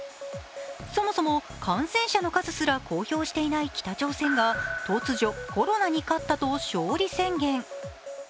そもそも感染者の数すら公表していない北朝鮮が突如、コロナに勝ったと勝利宣言。